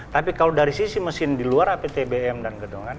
tapi kalau dari sisi mesin di luar aptbm dan gedongan